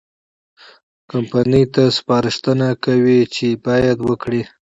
کمپنۍ ته سپارښتنې کوي چې څه باید وکړي.